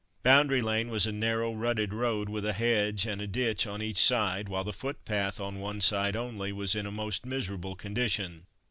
Boundary lane was a narrow, rutted road, with a hedge and a ditch on each side, while the footpath on one side only was in a most miserable condition.